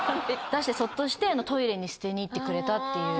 出してそっとしてトイレに捨てにいってくれたっていう。